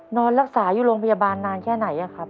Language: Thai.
นอนรักษาอยู่โรงพยาบาลนานแค่ไหนครับ